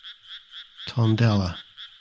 Tondela.